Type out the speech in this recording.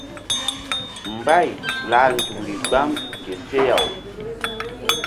Mbay lah nzukri gbam ke seh-aw.